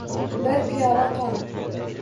Bir piyola qon.